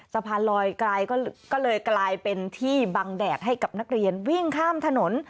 สะพานลอยไกลก็เลยกลายเป็นที่บังแดดให้กับนักเรียนวิ่งข้ามถนน